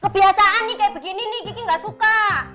kebiasaan nih kayak begini nih kiki gak suka